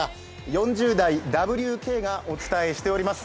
４０代、Ｗ・Ｋがお伝えしております。